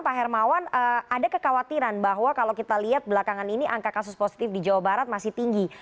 pak hermawan ada kekhawatiran bahwa kalau kita lihat belakangan ini angka kasus positif di jawa barat masih tinggi